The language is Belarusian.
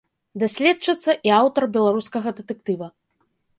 Даследчыца і аўтар беларускага дэтэктыва.